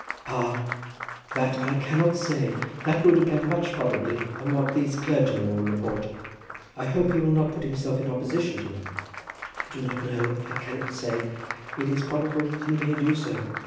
"Ah; that I cannot say. That will depend much, probably, on what these clergymen will report. I hope he will not put himself in opposition to them." "I do not know. I cannot say. It is probable that he may do so.